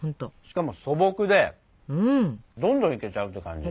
しかも素朴でどんどんいけちゃうって感じ。